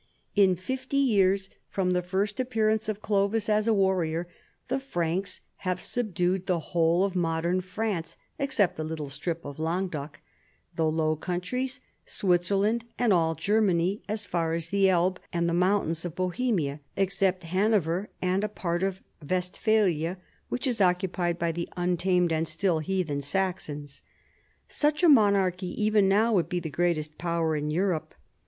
In fifty years . from the first appearance of Clovis as a warrior, the Franks have subdued the whole of modern France (except a little strip of Languedoc), the Low Coun tries, Switzerland, and all Germany as far as the Elbe and the mountains of Bohemia, except Hanover and a part of Westphalia which is occupied by the untamed and still heathen Saxons. Such a monarchy even now would be the greatest power in Europe.